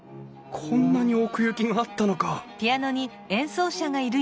こんなに奥行きがあったのか！